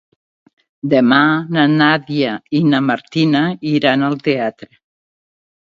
Demà na Nàdia i na Martina iran al teatre.